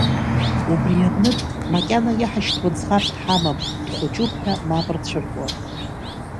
Убри аҟнытә, макьана иаҳашьҭуа ӡӷаб дҳамам, дхәыҷуп ҳәа мап рцәыркуан.